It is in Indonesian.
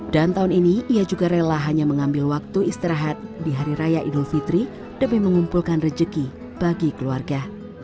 dan tahun ini ia juga rela hanya mengambil waktu istirahat di hari raya idul fitri demi mengumpulkan rejeki bagi keluarga